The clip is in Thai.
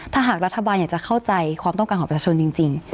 ถ้าหากรัฐบาลอยากจะเข้าใจความต้องการของประชาชนจริง